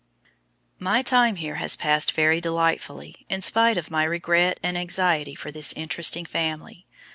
My time here has passed very delightfully in spite of my regret and anxiety for this interesting family.